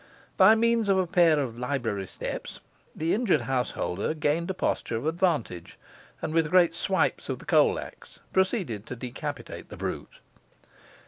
By means of a pair of library steps, the injured householder gained a posture of advantage; and, with great swipes of the coal axe, proceeded to decapitate the brute.